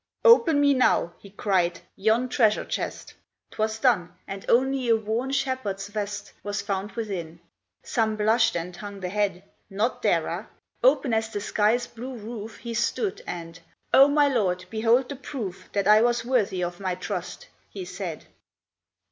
"Open me now," he cried, "yon treasure chest!" 'Twas done, and only a worn shepherd's vest Was found within; some blushed and hung the head, Not Dara; open as the sky's blue roof He stood, and "O, my lord, behold the proof That I was worthy of my trust!" he said.